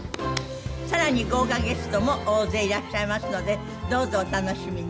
更に豪華ゲストも大勢いらっしゃいますのでどうぞお楽しみに。